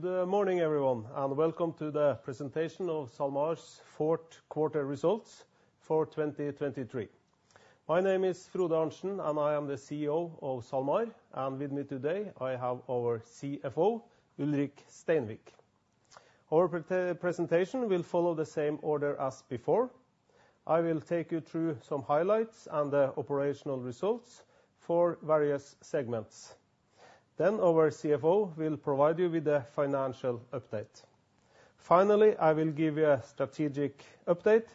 Good morning, everyone, and welcome to the presentation of SalMar's fourth quarter results for 2023. My name is Frode Arntsen, and I am the CEO of SalMar. With me today, I have our CFO, Ulrik Steinvik. Our pre-presentation will follow the same order as before. I will take you through some highlights and the operational results for various segments. Then our CFO will provide you with a financial update. Finally, I will give you a strategic update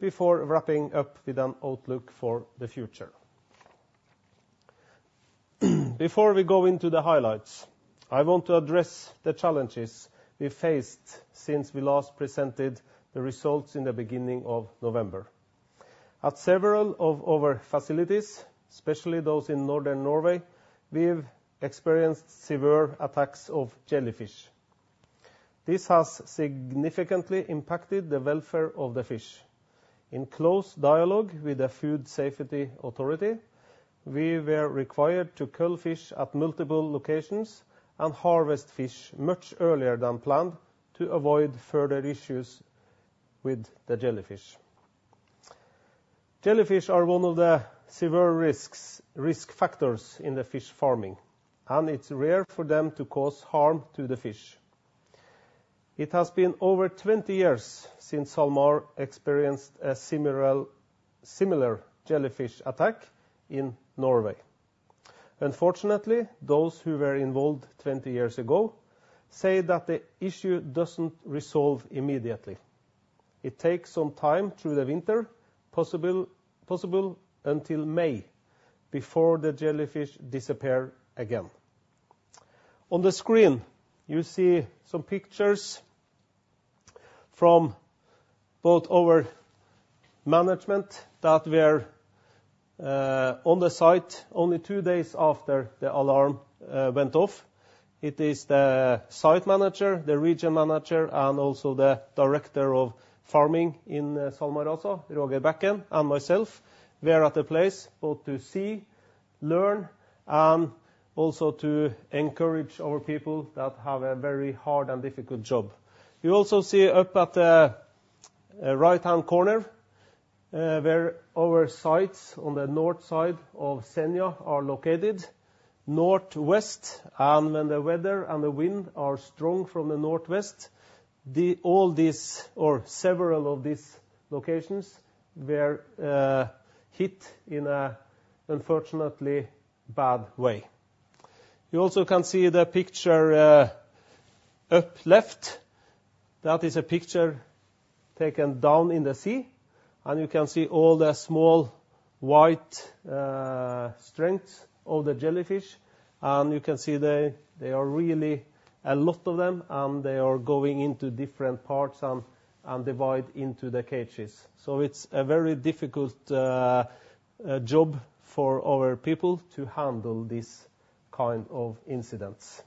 before wrapping up with an outlook for the future. Before we go into the highlights, I want to address the challenges we faced since we last presented the results in the beginning of November. At several of our facilities, especially those in Northern Norway, we've experienced severe attacks of jellyfish. This has significantly impacted the welfare of the fish. In close dialogue with the Food Safety Authority, we were required to cull fish at multiple locations and harvest fish much earlier than planned to avoid further issues with the jellyfish. Jellyfish are one of the severe risks, risk factors in the fish farming, and it's rare for them to cause harm to the fish. It has been over 20 years since SalMar experienced a similar jellyfish attack in Norway. Unfortunately, those who were involved 20 years ago say that the issue doesn't resolve immediately. It takes some time through the winter, possible until May, before the jellyfish disappear again. On the screen, you see some pictures from both our management that were on the site only two days after the alarm went off. It is the site manager, the region manager, and also the director of farming in SalMar, also, Roger Bekken, and myself. We are at the place both to see, learn, and also to encourage our people that have a very hard and difficult job. You also see up at the right-hand corner where our sites on the north side of Senja are located. Northwest, and when the weather and the wind are strong from the northwest, all these or several of these locations were hit in a unfortunately bad way. You also can see the picture up left. That is a picture taken down in the sea, and you can see all the small, white strands of the jellyfish, and you can see they are really a lot of them, and they are going into different parts and divide into the cages. So it's a very difficult job for our people to handle these kind of incidents.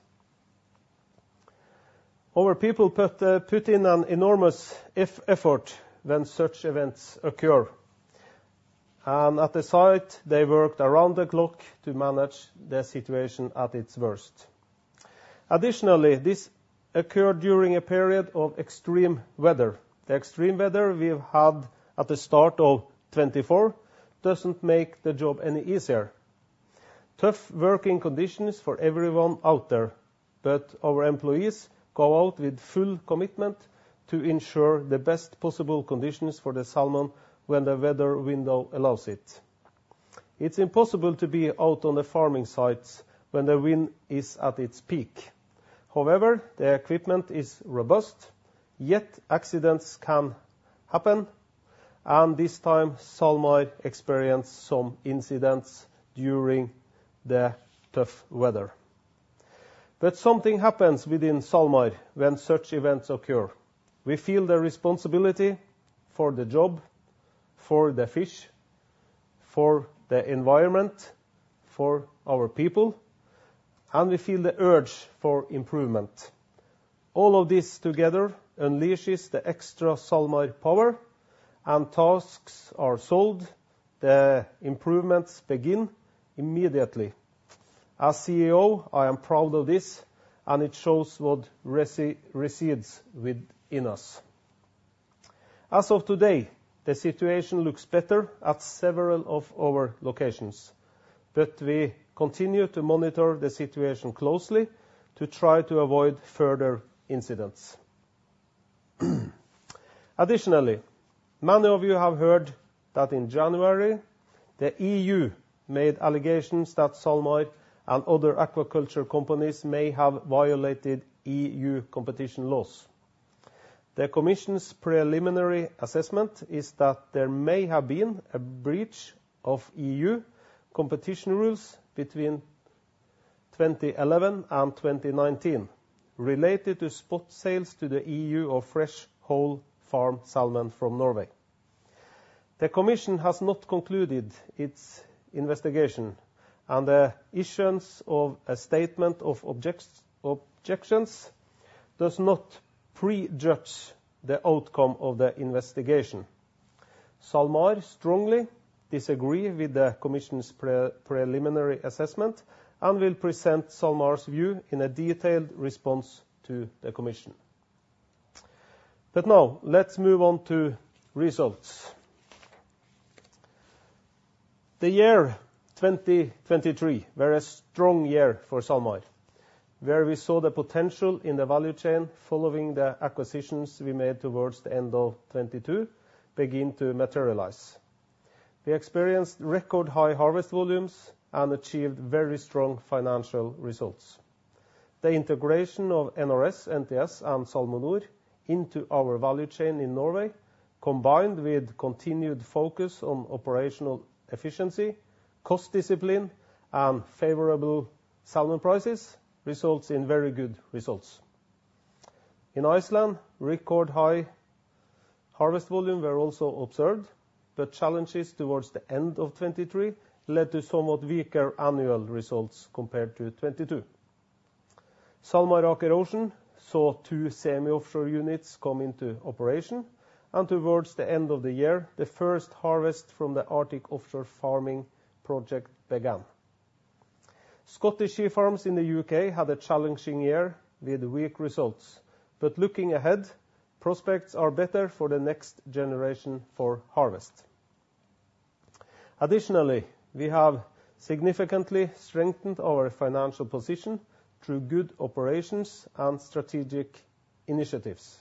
Our people put in an enormous effort when such events occur, and at the site, they worked around the clock to manage the situation at its worst. Additionally, this occurred during a period of extreme weather. The extreme weather we've had at the start of 2024 doesn't make the job any easier. Tough working conditions for everyone out there, but our employees go out with full commitment to ensure the best possible conditions for the salmon when the weather window allows it. It's impossible to be out on the farming sites when the wind is at its peak. However, the equipment is robust, yet accidents can happen, and this time, SalMar experienced some incidents during the tough weather. But something happens within SalMar when such events occur. We feel the responsibility for the job, for the fish, for the environment, for our people, and we feel the urge for improvement. All of this together unleashes the extra SalMar power and tasks are solved, the improvements begin immediately. As CEO, I am proud of this, and it shows what resides within us. As of today, the situation looks better at several of our locations, but we continue to monitor the situation closely to try to avoid further incidents. Additionally, many of you have heard that in January, the EU made allegations that SalMar and other aquaculture companies may have violated EU competition laws. The Commission's preliminary assessment is that there may have been a breach of EU competition rules between 2011 and 2019 related to spot sales to the EU of fresh whole farmed salmon from Norway. The Commission has not concluded its investigation, and the issuance of a statement of objections does not prejudge the outcome of the investigation. SalMar strongly disagree with the Commission's preliminary assessment, and will present SalMar's view in a detailed response to the Commission. But now, let's move on to results. The year 2023 were a strong year for SalMar, where we saw the potential in the value chain following the acquisitions we made towards the end of 2022 begin to materialize. We experienced record high harvest volumes and achieved very strong financial results. The integration of NRS, NTS, and SalmoNor into our value chain in Norway, combined with continued focus on operational efficiency, cost discipline, and favorable salmon prices, results in very good results. In Iceland, record high harvest volume was also observed, but challenges towards the end of 2023 led to somewhat weaker annual results compared to 2022. SalMar Aker Ocean saw two semi-offshore units come into operation, and towards the end of the year, the first harvest from the Arctic Offshore Farming project began. Scottish Sea Farms in the U.K. had a challenging year with weak results, but looking ahead, prospects are better for the next generation for harvest. Additionally, we have significantly strengthened our financial position through good operations and strategic initiatives.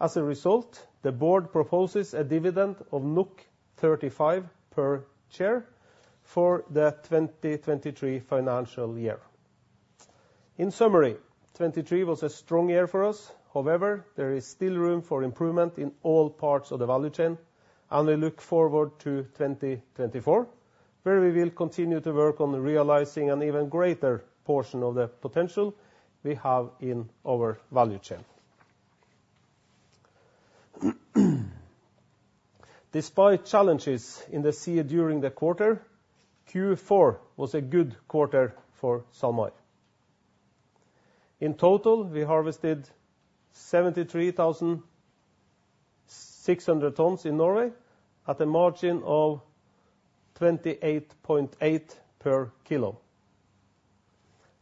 As a result, the board proposes a dividend of 35 per share for the 2023 financial year. In summary, 2023 was a strong year for us. However, there is still room for improvement in all parts of the value chain, and we look forward to 2024, where we will continue to work on realizing an even greater portion of the potential we have in our value chain. Despite challenges in the sea during the quarter, Q4 was a good quarter for SalMar. In total, we harvested 73,600 tons in Norway at a margin of 28.8 per kilo.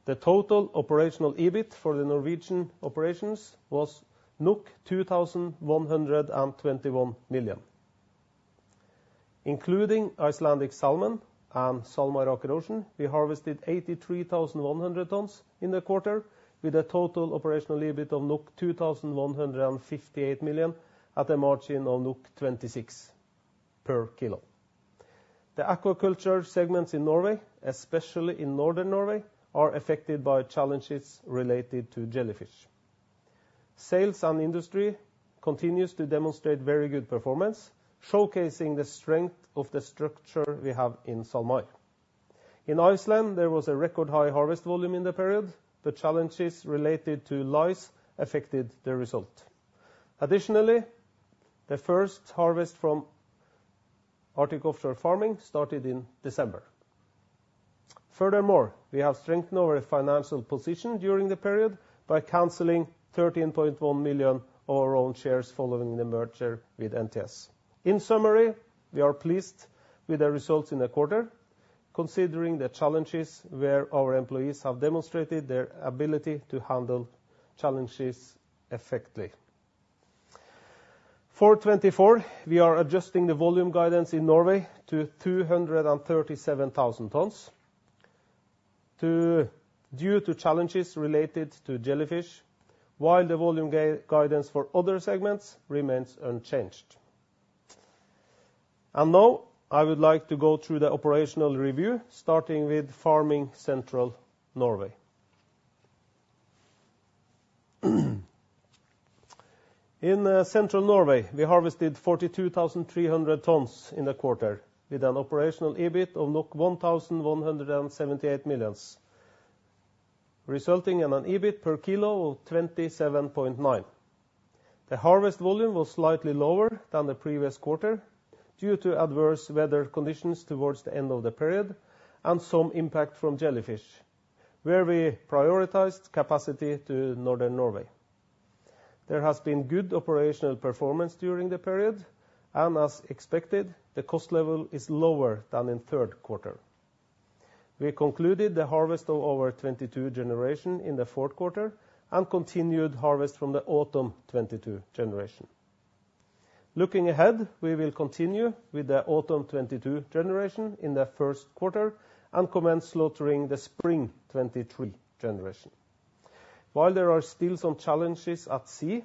The total operational EBIT for the Norwegian operations was 2,121 million. Including Icelandic Salmon and SalMar Aker Ocean, we harvested 83,100 tons in the quarter, with a total operational EBIT of 2,158 million, at a margin of 26 per kilo. The aquaculture segments in Norway, especially in Northern Norway, are affected by challenges related to jellyfish. Sales and Industry continues to demonstrate very good performance, showcasing the strength of the structure we have in SalMar. In Iceland, there was a record high harvest volume in the period, but challenges related to lice affected the result. Additionally, the first harvest from Arctic Offshore Farming started in December. Furthermore, we have strengthened our financial position during the period by canceling 13.1 million of our own shares following the merger with NTS. In summary, we are pleased with the results in the quarter, considering the challenges where our employees have demonstrated their ability to handle challenges effectively. For 2024, we are adjusting the volume guidance in Norway to 237,000 tons due to challenges related to jellyfish, while the volume guidance for other segments remains unchanged. And now, I would like to go through the operational review, starting with farming Central Norway. In Central Norway, we harvested 42,300 tons in the quarter, with an operational EBIT of 1,178 million, resulting in an EBIT per kilo of 27.9. The harvest volume was slightly lower than the previous quarter due to adverse weather conditions towards the end of the period, and some impact from jellyfish, where we prioritized capacity to Northern Norway. There has been good operational performance during the period, and as expected, the cost level is lower than in third quarter. We concluded the harvest of our 2022 generation in the fourth quarter, and continued harvest from the autumn 2022 generation. Looking ahead, we will continue with the autumn 2022 generation in the first quarter, and commence slaughtering the spring 2023 generation. While there are still some challenges at sea,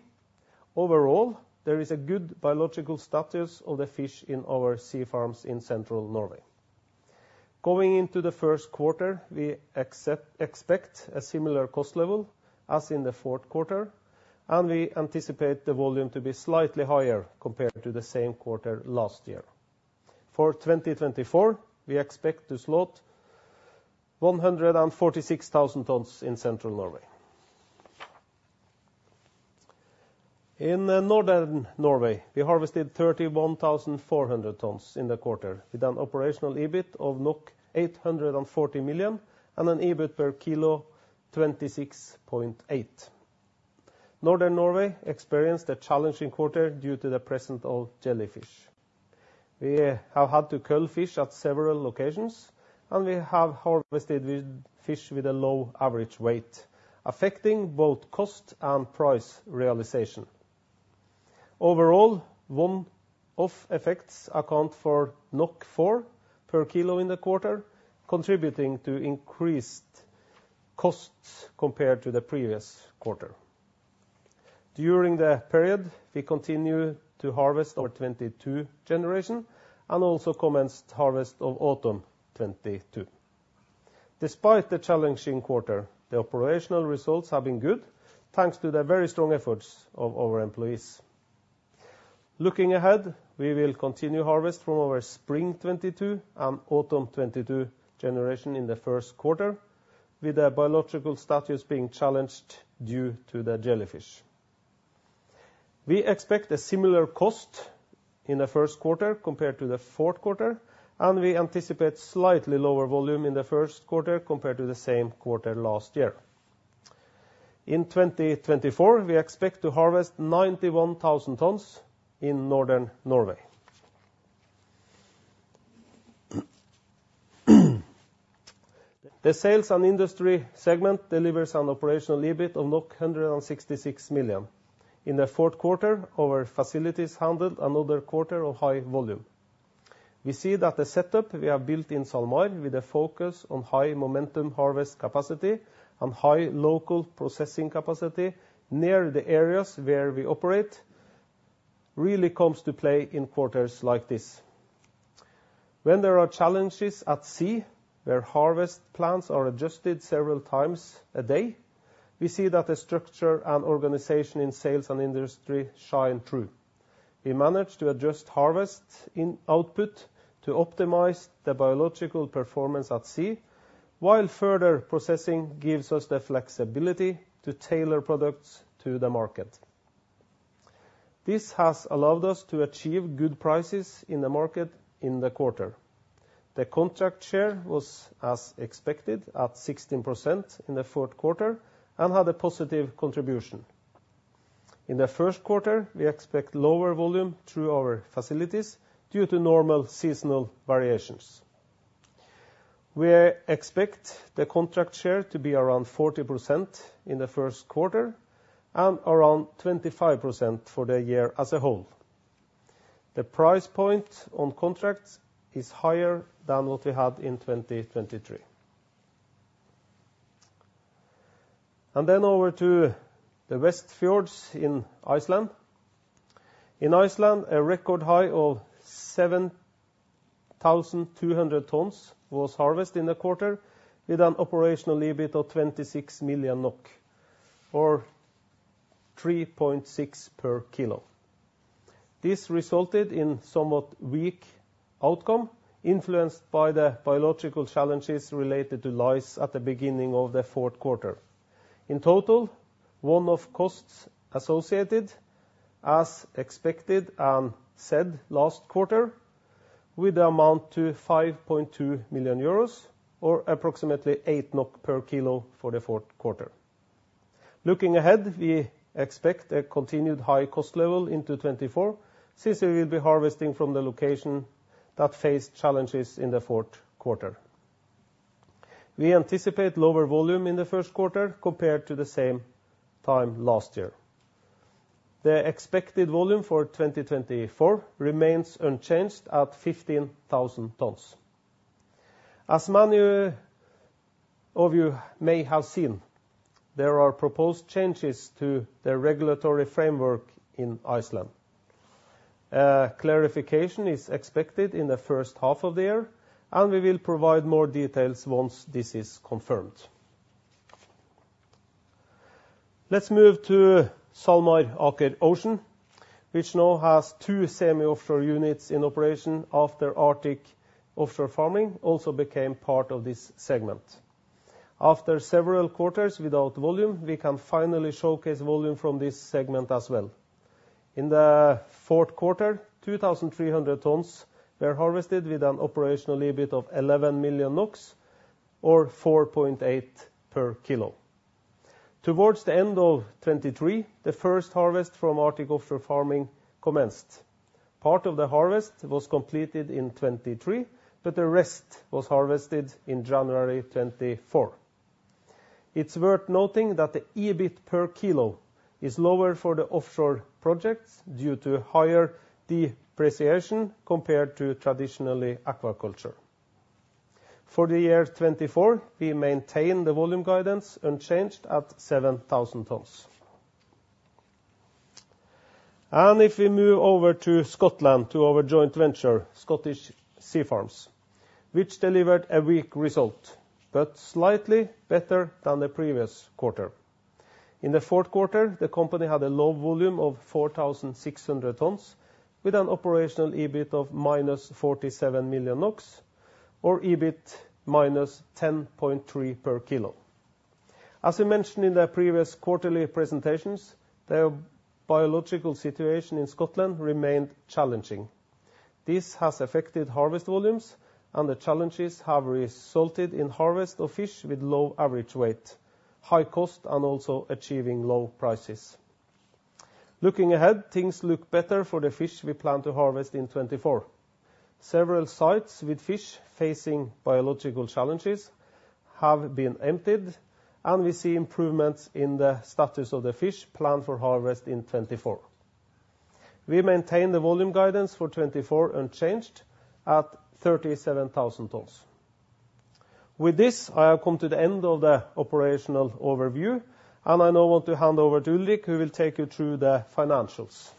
overall, there is a good biological status of the fish in our sea farms in Central Norway. Going into the first quarter, we expect a similar cost level as in the fourth quarter, and we anticipate the volume to be slightly higher compared to the same quarter last year. For 2024, we expect to slot 146,000 tons in Central Norway. In Northern Norway, we harvested 31,400 tons in the quarter, with an operational EBIT of 840 million, and an EBIT per kilo 26.8. Northern Norway experienced a challenging quarter due to the presence of jellyfish. We have had to cull fish at several locations, and we have harvested with fish with a low average weight, affecting both cost and price realization. Overall, one-off effects account for 4 per kilo in the quarter, contributing to increased costs compared to the previous quarter. During the period, we continued to harvest our 2022 generation and also commenced harvest of autumn 2022. Despite the challenging quarter, the operational results have been good, thanks to the very strong efforts of our employees. Looking ahead, we will continue harvest from our spring 2022 and autumn 2022 generation in the first quarter, with the biological status being challenged due to the jellyfish. We expect a similar cost in the first quarter compared to the fourth quarter, and we anticipate slightly lower volume in the first quarter compared to the same quarter last year. In 2024, we expect to harvest 91,000 tons in Northern Norway. The sales and industry segment delivers an operational EBIT of 166 million. In the fourth quarter, our facilities handled another quarter of high volume. We see that the setup we have built in SalMar, with a focus on high momentum harvest capacity and high local processing capacity near the areas where we operate, really comes to play in quarters like this. When there are challenges at sea, where harvest plans are adjusted several times a day, we see that the structure and organization in sales and industry shine through. We managed to adjust harvest in output to optimize the biological performance at sea, while further processing gives us the flexibility to tailor products to the market. This has allowed us to achieve good prices in the market in the quarter. The contract share was as expected, at 16% in the fourth quarter, and had a positive contribution. In the first quarter, we expect lower volume through our facilities due to normal seasonal variations. We expect the contract share to be around 40% in the first quarter and around 25% for the year as a whole. The price point on contracts is higher than what we had in 2023. Over to the Westfjords in Iceland. In Iceland, a record high of 7,200 tons was harvested in the quarter with an operational EBIT of 26 million NOK, or 3.6 per kilo. This resulted in somewhat weak outcome, influenced by the biological challenges related to lice at the beginning of the fourth quarter. In total, one-off costs associated as expected and said last quarter, with the amount to 5.2 million euros, or approximately 8 NOK per kilo for the fourth quarter. Looking ahead, we expect a continued high cost level into 2024, since we will be harvesting from the location that faced challenges in the fourth quarter. We anticipate lower volume in the first quarter compared to the same time last year. The expected volume for 2024 remains unchanged at 15,000 tons. As many of you may have seen, there are proposed changes to the regulatory framework in Iceland. Clarification is expected in the first half of the year, and we will provide more details once this is confirmed. Let's move to SalMar Aker Ocean, which now has two semi-offshore units in operation after Arctic Offshore Farming also became part of this segment. After several quarters without volume, we can finally showcase volume from this segment as well. In the fourth quarter, 2,300 tons were harvested with an operational EBIT of 11 million NOK, or 4.8 per kilo. Towards the end of 2023, the first harvest from Arctic Offshore Farming commenced. Part of the harvest was completed in 2023, but the rest was harvested in January 2024. It's worth noting that the EBIT per kilo is lower for the offshore projects due to higher depreciation compared to traditional aquaculture. For the year 2024, we maintain the volume guidance unchanged at 7,000 tons. And if we move over to Scotland, to our joint venture, Scottish Sea Farms, which delivered a weak result, but slightly better than the previous quarter. In the fourth quarter, the company had a low volume of 4,600 tons, with an operational EBIT of -47 million NOK, or EBIT -10.3 per kilo. As we mentioned in the previous quarterly presentations, the biological situation in Scotland remained challenging. This has affected harvest volumes, and the challenges have resulted in harvest of fish with low average weight, high cost, and also achieving low prices. Looking ahead, things look better for the fish we plan to harvest in 2024. Several sites with fish facing biological challenges have been emptied, and we see improvements in the status of the fish planned for harvest in 2024. We maintain the volume guidance for 2024 unchanged at 37,000 tons. With this, I have come to the end of the operational overview, and I now want to hand over to Ulrik, who will take you through the financials.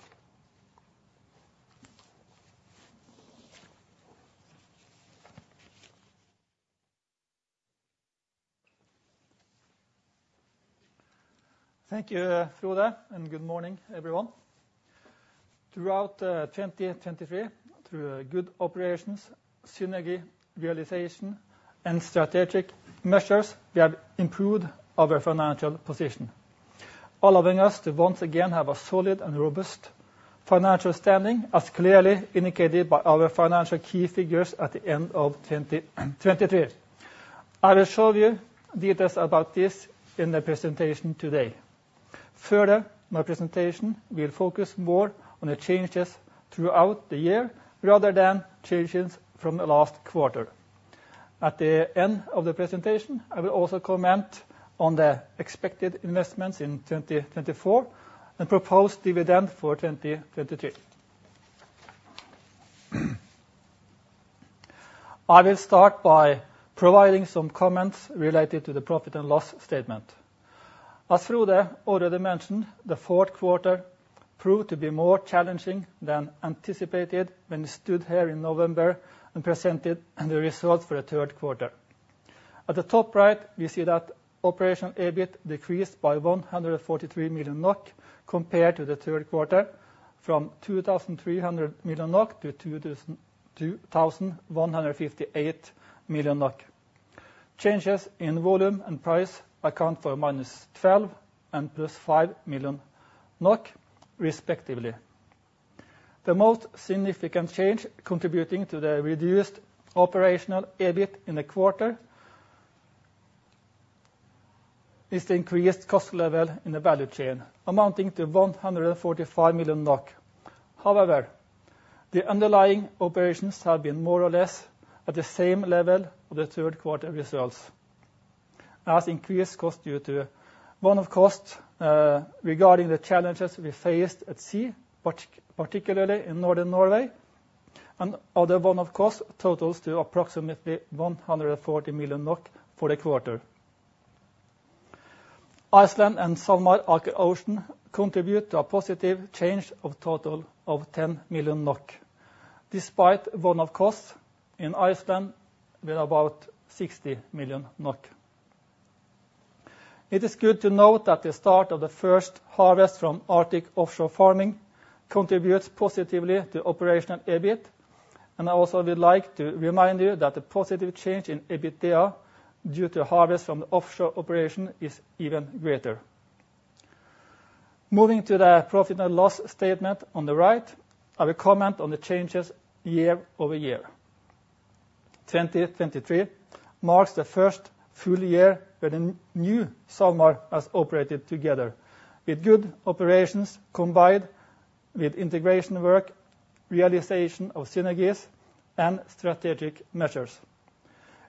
Thank you, Frode, and good morning, everyone. Throughout 2023, through good operations, synergy, realization, and strategic measures, we have improved our financial position, allowing us to once again have a solid and robust financial standing, as clearly indicated by our financial key figures at the end of 2023. I will show you details about this in the presentation today. Further, my presentation will focus more on the changes throughout the year, rather than changes from the last quarter. At the end of the presentation, I will also comment on the expected investments in 2024 and proposed dividend for 2023. I will start by providing some comments related to the profit and loss statement. As Frode already mentioned, the fourth quarter proved to be more challenging than anticipated when we stood here in November and presented the results for the third quarter. At the top right, we see that operational EBIT decreased by 143 million NOK compared to the third quarter, from 2,300 million NOK to 2,258 million NOK. Changes in volume and price account for -12 and +5 million NOK, respectively. The most significant change contributing to the reduced operational EBIT in the quarter is the increased cost level in the value chain, amounting to 145 million NOK. However, the underlying operations have been more or less at the same level of the third quarter results, as increased costs due to one-off costs regarding the challenges we faced at sea, particularly in Northern Norway, and other one-off costs totals to approximately 140 million NOK for the quarter. Iceland and SalMar Ocean contribute to a positive change of a total of 10 million NOK, despite one-off costs in Iceland with about 60 million NOK. It is good to note that the start of the first harvest from Arctic Offshore Farming contributes positively to operational EBIT. And I also would like to remind you that the positive change in EBITDA, due to harvest from the offshore operation, is even greater. Moving to the profit and loss statement on the right, I will comment on the changes year-over-year. 2023 marks the first full year where the new SalMar has operated together, with good operations combined with integration work, realization of synergies, and strategic measures.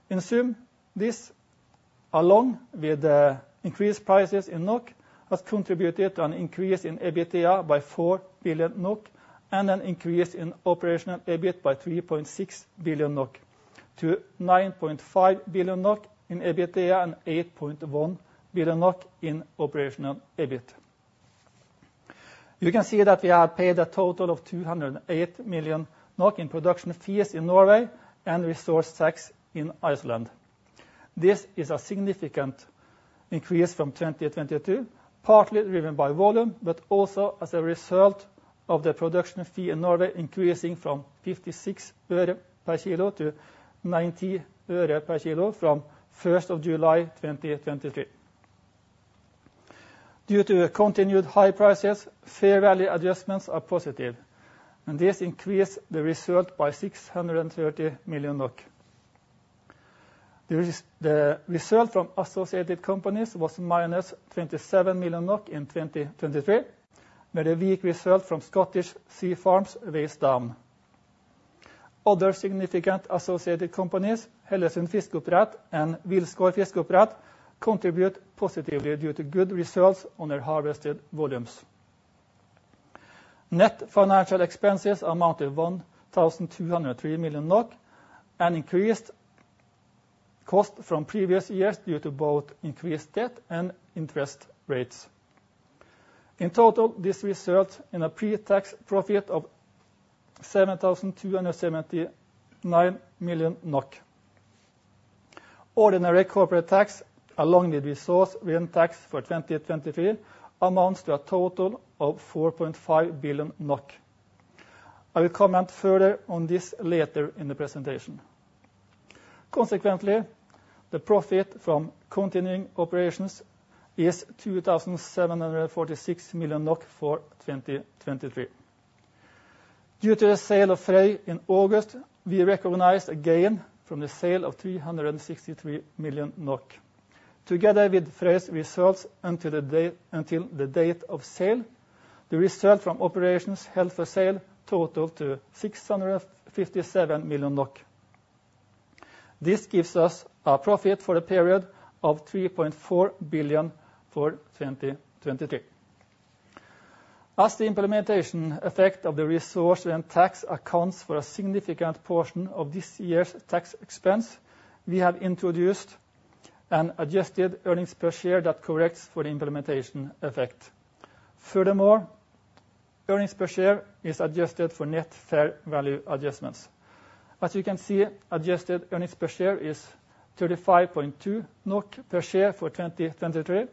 In sum, this, along with the increased prices in NOK, has contributed to an increase in EBITDA by 4 billion NOK and an increase in operational EBIT by 3 billion NOK to 9.5 billion NOK in EBITDA and 8.1 billion NOK in operational EBIT. You can see that we have paid a total of 208 million in production fees in Norway and resource tax in Iceland. This is a significant increase from 2022, partly driven by volume, but also as a result of the production fee in Norway increasing from 56 øre per kilo to 90 øre per kilo from July 1, 2023. Due to the continued high prices, fair value adjustments are positive, and this increased the result by 630 million NOK. The result from associated companies was -27 million NOK in 2023, with a weak result from Scottish Sea Farms weighing down. Other significant associated companies, Hellesund Fiskeoppdrett and Wilsgård Fiskeoppdrett, contribute positively due to good results on their harvested volumes. Net financial expenses amount to 1,203 million NOK, and increased cost from previous years due to both increased debt and interest rates. In total, this results in a pre-tax profit of 7,279 million NOK. Ordinary corporate tax, along with resource rent tax for 2023, amounts to a total of 4.5 billion NOK. I will comment further on this later in the presentation. Consequently, the profit from continuing operations is 2,746 million NOK for 2023. Due to the sale of Frøy in August, we recognized a gain from the sale of 363 million NOK. Together with Frøy's results until the date of sale, the result from operations held for sale totaled to 657 million NOK. This gives us a profit for the period of 3.4 billion for 2023. As the implementation effect of the resource rent tax accounts for a significant portion of this year's tax expense, we have introduced an adjusted earnings per share that corrects for the implementation effect. Furthermore, earnings per share is adjusted for net fair value adjustments. As you can see, adjusted earnings per share is 35.2 NOK per share for 2023,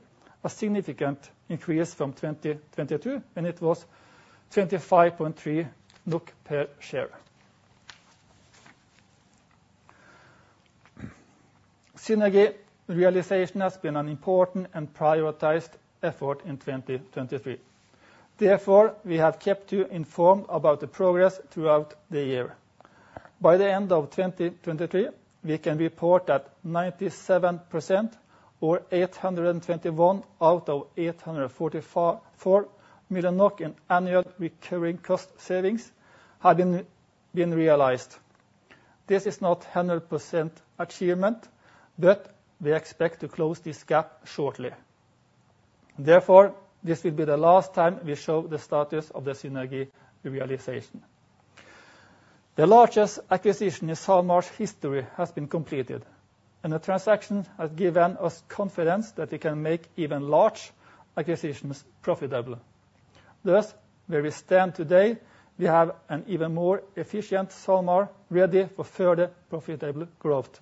a significant increase from 2022, and it was 25.3 NOK per share. Synergy realization has been an important and prioritized effort in 2023. Therefore, we have kept you informed about the progress throughout the year. By the end of 2023, we can report that 97% or 821 out of 844 4 million in annual recurring cost savings have been realized. This is not 100% achievement, but we expect to close this gap shortly. Therefore, this will be the last time we show the status of the synergy realization. The largest acquisition in SalMar's history has been completed, and the transaction has given us confidence that we can make even large acquisitions profitable. Thus, where we stand today, we have an even more efficient SalMar ready for further profitable growth.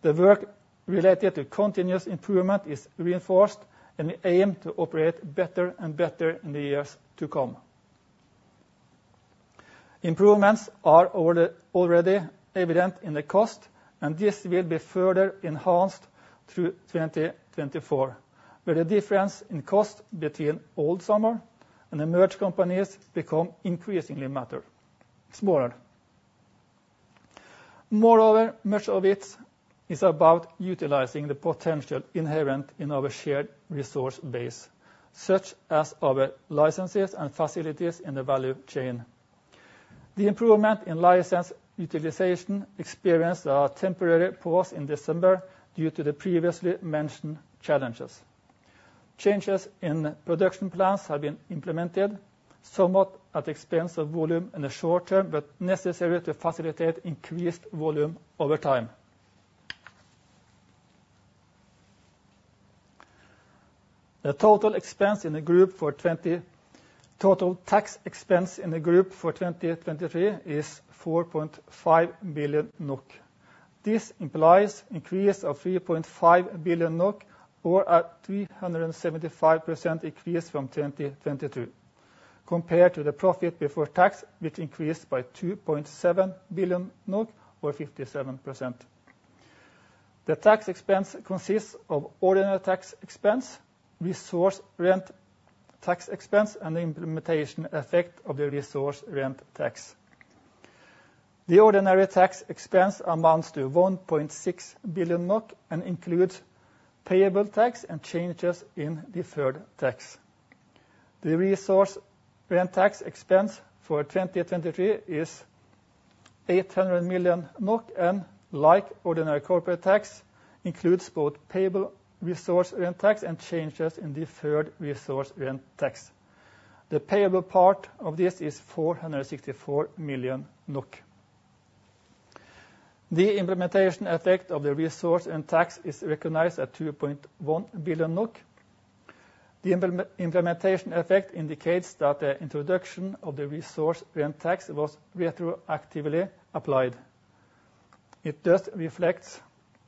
The work related to continuous improvement is reinforced, and we aim to operate better and better in the years to come. Improvements are already evident in the cost, and this will be further enhanced through 2024, where the difference in cost between old SalMar and the merged companies become increasingly smaller. Moreover, much of it is about utilizing the potential inherent in our shared resource base, such as our licenses and facilities in the value chain. The improvement in license utilization experienced a temporary pause in December due to the previously mentioned challenges. Changes in production plans have been implemented, somewhat at the expense of volume in the short term, but necessary to facilitate increased volume over time. The total tax expense in the group for 2023 is 4.5 billion NOK. This implies increase of 3.5 billion NOK or a 375% increase from 2022, compared to the profit before tax, which increased by 2.7 billion NOK or 57%. The tax expense consists of ordinary tax expense, resource rent tax expense, and the implementation effect of the resource rent tax. The ordinary tax expense amounts to 1.6 billion NOK and includes payable tax and changes in deferred tax. The resource rent tax expense for 2023 is 800 million NOK, and like ordinary corporate tax, includes both payable resource rent tax and changes in deferred resource rent tax. The payable part of this is 464 million NOK. The implementation effect of the resource rent tax is recognized at 2.1 billion NOK. The implementation effect indicates that the introduction of the resource rent tax was retroactively applied. It just reflects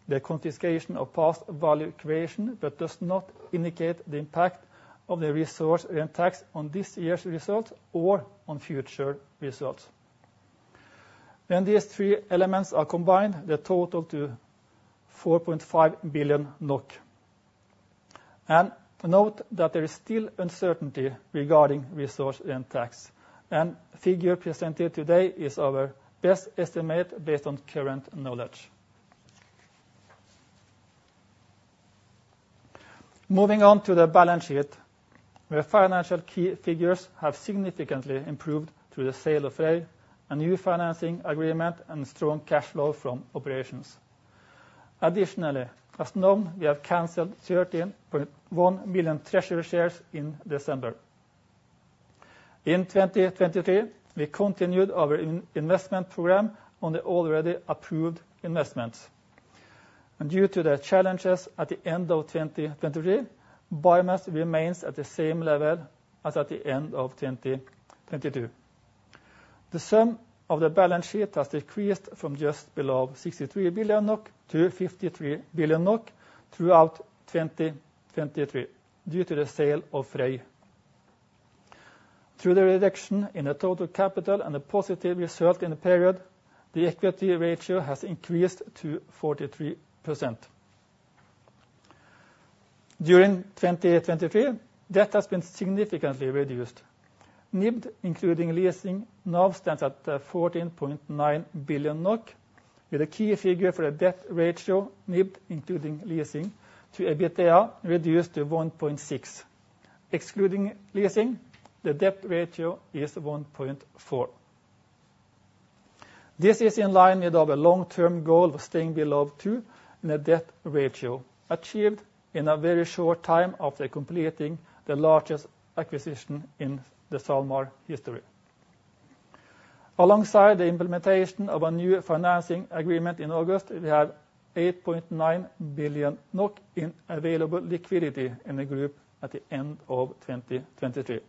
the confiscation of past value creation, but does not indicate the impact of the resource rent tax on this year's results or on future results. When these three elements are combined, they total to 4.5 billion NOK. Note that there is still uncertainty regarding resource rent tax, and the figure presented today is our best estimate based on current knowledge. Moving on to the balance sheet, the financial key figures have significantly improved through the sale of Frøy, a new financing agreement, and strong cash flow from operations. Additionally, as known, we have canceled 13.1 million treasury shares in December. In 2023, we continued our investment program on the already approved investments. Due to the challenges at the end of 2023, biomass remains at the same level as at the end of 2022. The sum of the balance sheet has decreased from just below 63 billion NOK to 53 billion NOK throughout 2023, due to the sale of Frøy. Through the reduction in the total capital and the positive result in the period, the equity ratio has increased to 43%. During 2023, debt has been significantly reduced. NIBD, including leasing, now stands at 14.9 billion NOK, with a key figure for a debt ratio NIBD, including leasing to EBITDA, reduced to 1.6. Excluding leasing, the debt ratio is 1.4. This is in line with our long-term goal of staying below two in a debt ratio, achieved in a very short time after completing the largest acquisition in the SalMar history. Alongside the implementation of a new financing agreement in August, we have 8.9 billion NOK in available liquidity in the group at the end of 2023.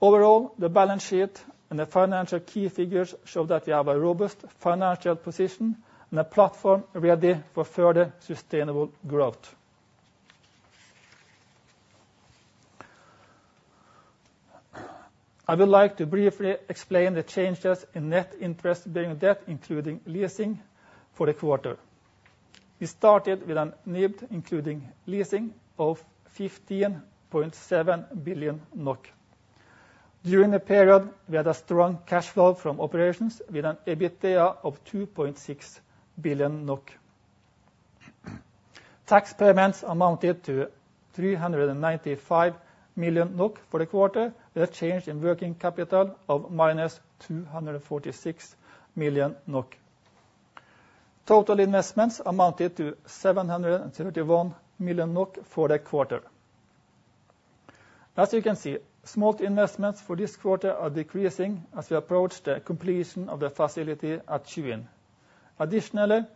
Overall, the balance sheet and the financial key figures show that we have a robust financial position and a platform ready for further sustainable growth. I would like to briefly explain the changes in net interest-bearing debt, including leasing for the quarter. We started with an NIBD, including leasing, of 15.7 billion NOK. During the period, we had a strong cash flow from operations with an EBITDA of 2.6 billion NOK. Tax payments amounted to 395 million NOK for the quarter, with a change in working capital of -246 million NOK. Total investments amounted to 731 million NOK for the quarter. As you can see, small investments for this quarter are decreasing as we approach the completion of the facility at Tjuin. Additionally,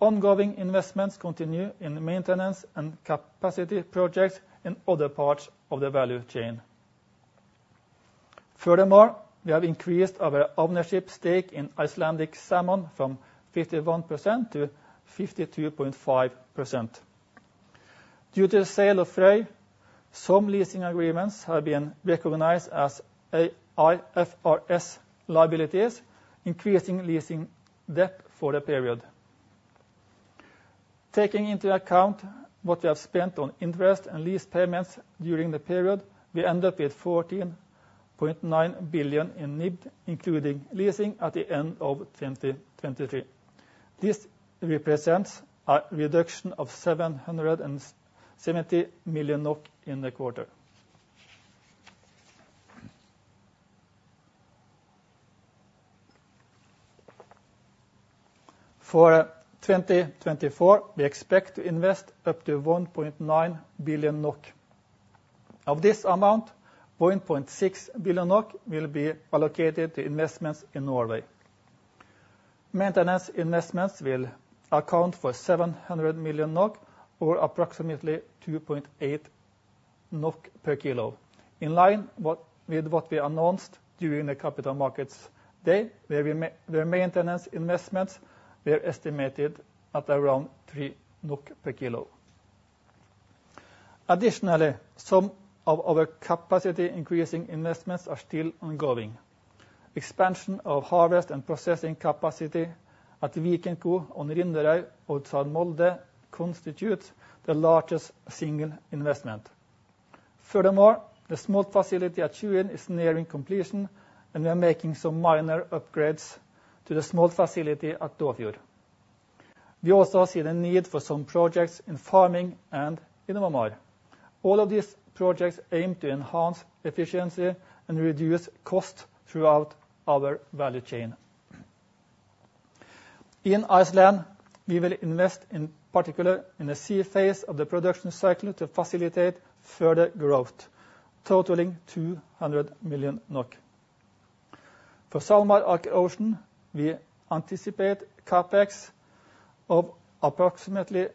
ongoing investments continue in the maintenance and capacity projects in other parts of the value chain. Furthermore, we have increased our ownership stake in Icelandic Salmon from 51% to 52.5%. Due to the sale of Frøy, some leasing agreements have been recognized as IFRS liabilities, increasing leasing debt for the period. Taking into account what we have spent on interest and lease payments during the period, we end up with 14.9 billion in NIBD, including leasing at the end of 2023. This represents a reduction of 770 million NOK in the quarter. For 2024, we expect to invest up to 1.9 billion NOK. Of this amount, 1.6 billion NOK will be allocated to investments in Norway. Maintenance investments will account for 700 million NOK or approximately 2.8 NOK per kilo. In line with what we announced during the capital markets day, where maintenance investments were estimated at around 3 NOK per kilo. Additionally, some of our capacity increasing investments are still ongoing. Expansion of harvest and processing capacity at Vikenco and Rindarøy outside Molde constitute the largest single investment. Furthermore, the smolt facility at Tjuin is nearing completion, and we are making some minor upgrades to the small facility at Dåfjord. We also see the need for some projects in farming and in Nordmøre. All of these projects aim to enhance efficiency and reduce costs throughout our value chain. In Iceland, we will invest, in particular, in the sea phase of the production cycle to facilitate further growth, totaling 200 million NOK. For SalMar Ocean, we anticipate CapEx of approximately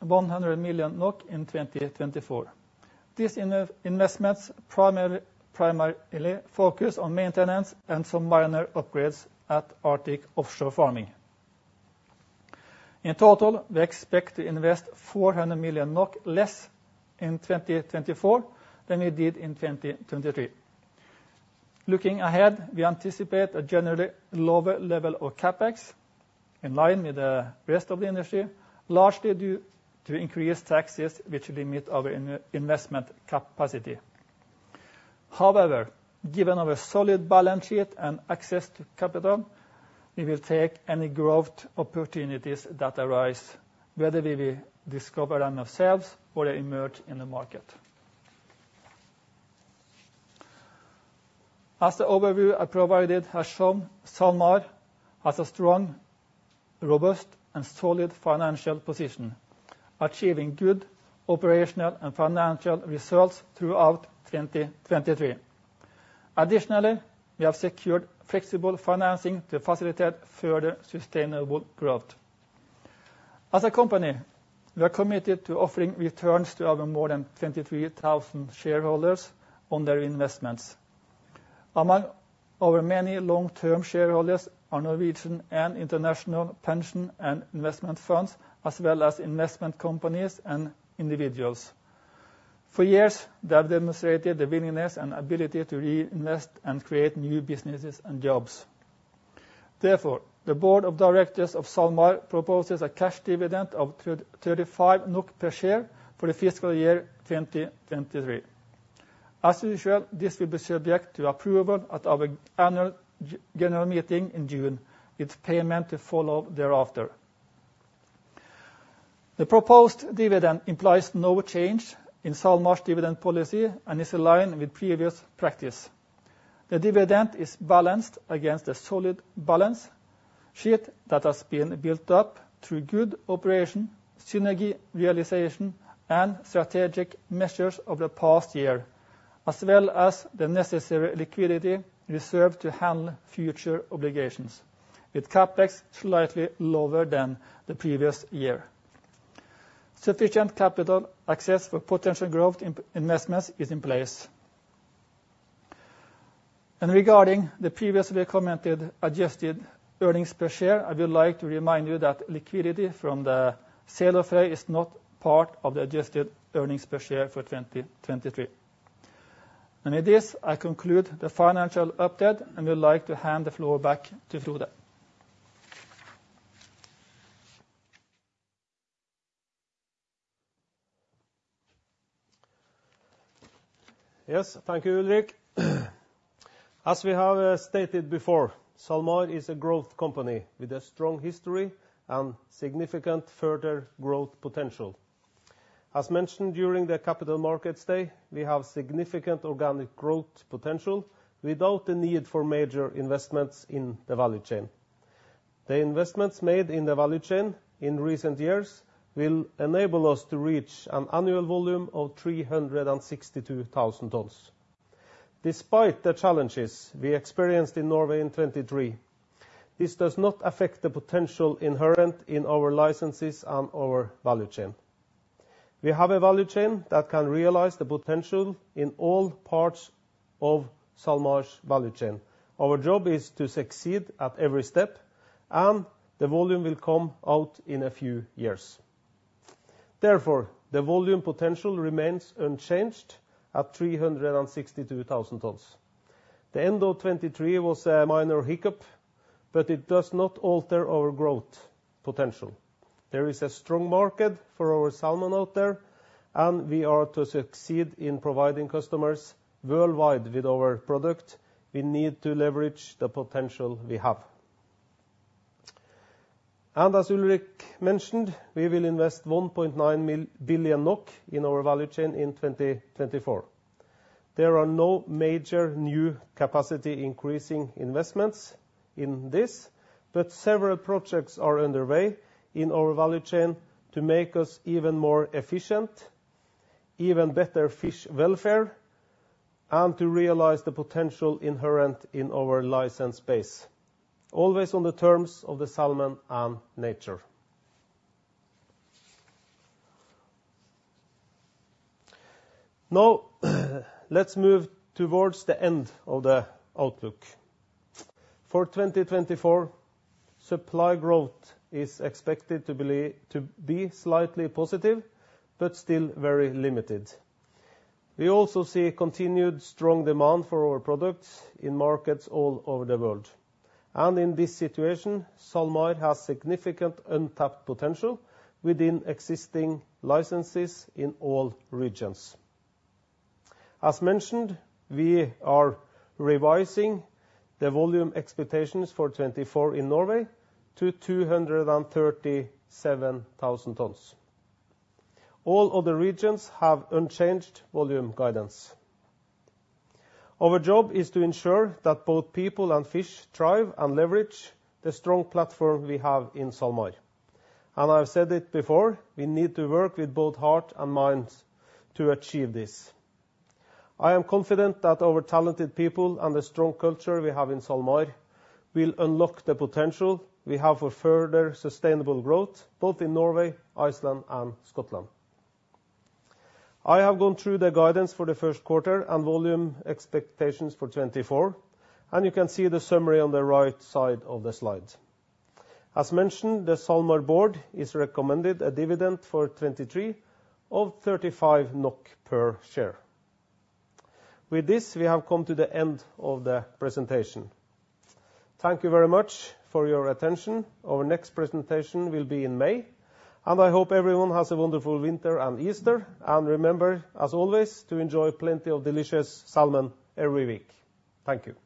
100 million NOK in 2024. These investments primarily focus on maintenance and some minor upgrades at Arctic Offshore Farming. In total, we expect to invest 400 million less in 2024 than we did in 2023. Looking ahead, we anticipate a generally lower level of CapEx, in line with the rest of the industry, largely due to increased taxes, which limit our investment capacity. However, given our solid balance sheet and access to capital, we will take any growth opportunities that arise, whether we will discover them ourselves or emerge in the market. As the overview I provided has shown, SalMar has a strong, robust, and solid financial position, achieving good operational and financial results throughout 2023. Additionally, we have secured flexible financing to facilitate further sustainable growth. As a company, we are committed to offering returns to our more than 23,000 shareholders on their investments.... Among our many long-term shareholders are Norwegian and international pension and investment funds, as well as investment companies and individuals. For years, they have demonstrated the willingness and ability to reinvest and create new businesses and jobs. Therefore, the board of directors of SalMar proposes a cash dividend of 35 NOK per share for the fiscal year 2023. As usual, this will be subject to approval at our annual general meeting in June, with payment to follow thereafter. The proposed dividend implies no change in SalMar's dividend policy and is aligned with previous practice. The dividend is balanced against the solid balance sheet that has been built up through good operation, synergy realization, and strategic measures over the past year, as well as the necessary liquidity reserved to handle future obligations, with CapEx slightly lower than the previous year. Sufficient capital access for potential growth investments is in place. And regarding the previously commented adjusted earnings per share, I would like to remind you that liquidity from the sale of Frøy is not part of the adjusted earnings per share for 2023. And with this, I conclude the financial update, and would like to hand the floor back to Frode. Yes, thank you, Ulrik. As we have stated before, SalMar is a growth company with a strong history and significant further growth potential. As mentioned during the Capital Markets Day, we have significant organic growth potential without the need for major investments in the value chain. The investments made in the value chain in recent years will enable us to reach an annual volume of 362,000 tons. Despite the challenges we experienced in Norway in 2023, this does not affect the potential inherent in our licenses and our value chain. We have a value chain that can realize the potential in all parts of SalMar's value chain. Our job is to succeed at every step, and the volume will come out in a few years. Therefore, the volume potential remains unchanged at 362,000 tons. The end of 2023 was a minor hiccup, but it does not alter our growth potential. There is a strong market for our salmon out there, and we are to succeed in providing customers worldwide with our product, we need to leverage the potential we have. And as Ulrik mentioned, we will invest 1.9 billion NOK in our value chain in 2024. There are no major new capacity-increasing investments in this, but several projects are underway in our value chain to make us even more efficient, even better fish welfare, and to realize the potential inherent in our license base, always on the terms of the salmon and nature. Now, let's move towards the end of the outlook. For 2024, supply growth is expected to be slightly positive, but still very limited. We also see continued strong demand for our products in markets all over the world, and in this situation, SalMar has significant untapped potential within existing licenses in all regions. As mentioned, we are revising the volume expectations for 2024 in Norway to 237,000 tons. All other regions have unchanged volume guidance. Our job is to ensure that both people and fish thrive and leverage the strong platform we have in SalMar. I've said it before, we need to work with both heart and mind to achieve this. I am confident that our talented people and the strong culture we have in SalMar will unlock the potential we have for further sustainable growth, both in Norway, Iceland, and Scotland. I have gone through the guidance for the first quarter and volume expectations for 2024, and you can see the summary on the right side of the slide. As mentioned, the SalMar board is recommended a dividend for 2023 of 35 NOK per share. With this, we have come to the end of the presentation. Thank you very much for your attention. Our next presentation will be in May, and I hope everyone has a wonderful winter and Easter. And remember, as always, to enjoy plenty of delicious salmon every week. Thank you.